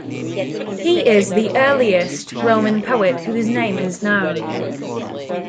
He is the earliest Roman poet whose name is known.